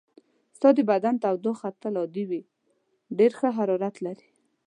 ستا د بدن تودوخه تل عادي وي، ډېر ښه حرارت لرې.